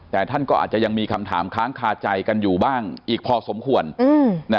แต่ท่านก็อาจจะยังมีคำถามค้างคาใจกันอยู่บ้างอีกพอสมควร